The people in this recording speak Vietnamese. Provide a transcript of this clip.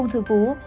ung thư vú